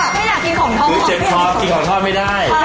ไม่อยากกินของทอด